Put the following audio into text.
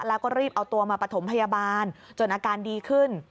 แล้วก็รีบเอาตัวมาปฐมพยาบาลจนอาการดีขึ้น